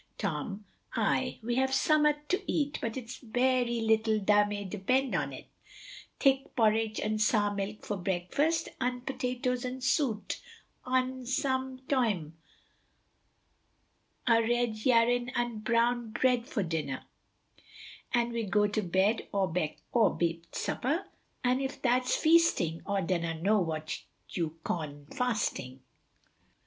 Tom Aye, we have summat to eat, but it's very lettle tha may depend on't, thick porrich un' sour milk for brekfast, un' potatos and suit, un sum toime a red yarrin un brown bread for dinner, an we go to bed awebewt supper, un if that's feasting aw dunna know what you cawn fasting.